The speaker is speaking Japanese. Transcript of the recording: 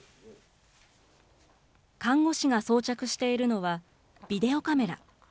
看護師が装着しているのは、ビデオカメラ。